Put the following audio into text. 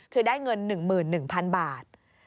คือได้เงิน๑๑๐๐๐บาท